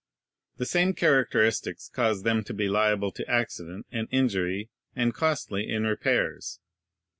The same characteristics caused them to be liable to accident and injury and costly in repairs.